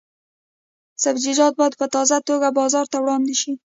سبزیجات باید په تازه توګه بازار ته وړاندې شي.